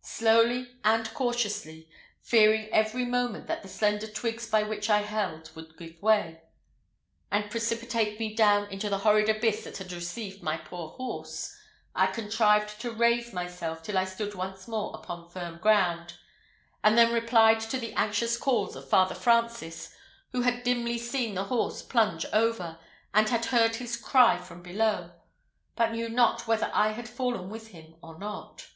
Slowly, and cautiously, fearing every moment that the slender twigs by which I held would give way, and precipitate me down into the horrid abyss that had received my poor horse, I contrived to raise myself till I stood once more upon firm ground; and then replied to the anxious calls of Father Francis, who had dimly seen the horse plunge over, and had heard his cry from below, but knew not whether I had fallen with him or not.